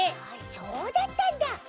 あそうだったんだ！